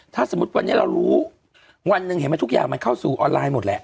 ถ้าสมมุติวันนี้เรารู้วันหนึ่งเห็นไหมทุกอย่างมันเข้าสู่ออนไลน์หมดแหละ